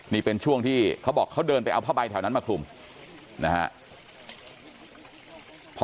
นี่เป็นช่วงที่เขาบอกเขาเดินไปเอาผ้าใบแถวนั้นมาคลุมนะฮะ